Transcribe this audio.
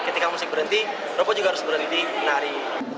ketika musik berhenti robot juga harus berhenti menari